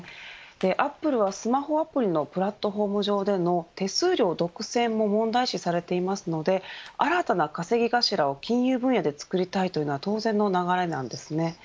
アップルはスマホアプリのプラットフォーム上での手数料独占の問題も問題視されていますので新たな稼ぎ頭を金融分野でつくりたいというのは当然の流れなんですね。